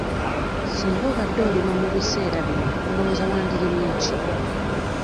Singa obadde olima mu biseera bino olowooza wandirimye ki?